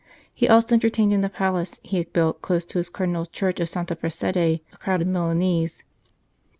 He also entertained in the palace he had built close to his Cardinal s Church of Santa Prassede a crowd of Milanese.